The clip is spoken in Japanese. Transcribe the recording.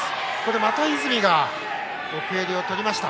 また泉が奥襟を取りました。